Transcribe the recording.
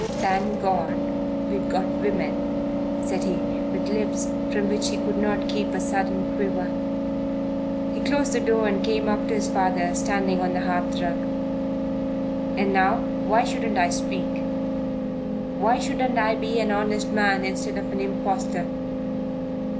"Thank God, we've got women," said he, with lips from which he could not keep a sudden quiver. He closed the door and came up to his father standing on the hearthrug. "And now, why shouldn't I speak? Why shouldn't I be an honest man instead of an impostor?"